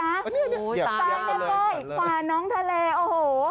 ตายแม่ก้อยขวาน้องทะเลโอ้โฮ